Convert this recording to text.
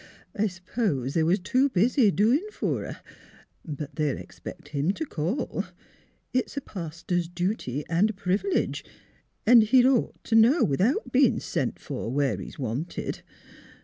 I s'pose they was too busy doin' fer her. But they'll expect him to call. It's a pas ter's dooty an' priv'lege; an' he'd ought t' know, without being sent for, where he's wanted."